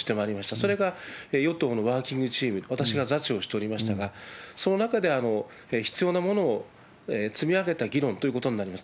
それが与党のワーキングチーム、私が座長をしておりましたが、その中で必要なものを積み上げた議論ということになります。